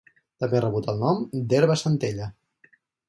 També ha rebut el nom d’herba centella.